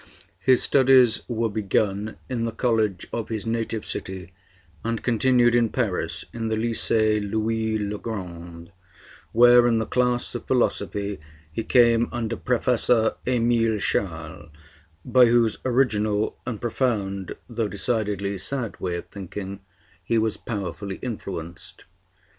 His studies were begun in the college of his native city and continued in Paris, in the Lycée Louis le Grand, where in the class of philosophy he came under Professor Émile Charles, by whose original and profound though decidedly sad way of thinking he was powerfully influenced.